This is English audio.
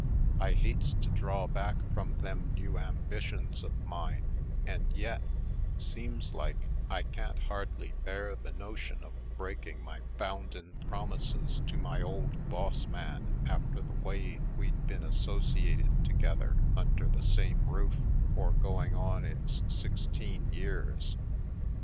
I hates to draw back from them new ambi tions of mine and yet, seems like, I can't hardly bear the notion of breaking my bounden promises to my old boss man after the way we'd been associated together under the same roof for going on it's sixteen years.